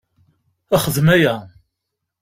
Xdem aya!